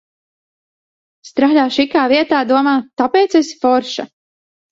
Strādā šikā vietā, domā, tāpēc esi forša.